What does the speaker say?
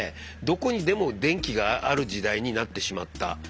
どこにでも電気がある時代になってしまった。